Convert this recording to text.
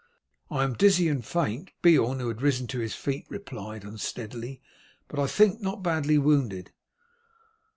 "I am dizzy and faint," Beorn, who had risen to his feet, replied unsteadily, "but I think not badly wounded."